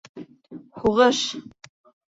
Һуғыш!..